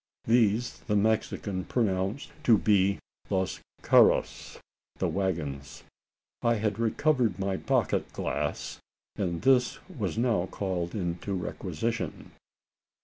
These the Mexican pronounced to be "los carros" (the waggons). I had recovered my pocket glass, and this was now called into requisition.